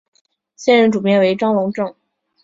现任主编为张珑正。